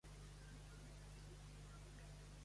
Crec que serà al totalitat dels col·legis.